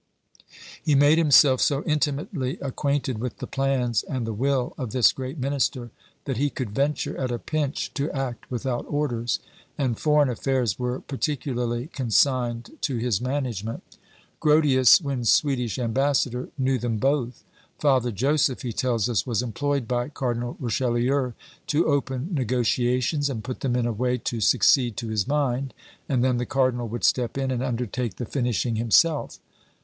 He made himself so intimately acquainted with the plans and the will of this great minister, that he could venture at a pinch to act without orders: and foreign affairs were particularly consigned to his management. Grotius, when Swedish ambassador, knew them both. Father Joseph, he tells us, was employed by Cardinal Richelieu to open negotiations, and put them in a way to succeed to his mind, and then the cardinal would step in, and undertake the finishing himself.